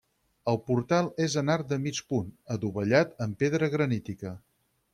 El portal és en arc de mig punt adovellat amb pedra granítica.